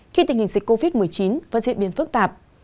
khi tình hình dịch covid một mươi chín vẫn diễn biến phức tạp